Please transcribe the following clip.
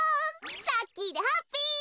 ラッキーでハッピー！